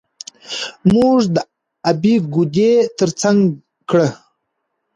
موږ د ابۍ ګودى تر څنګ کړه.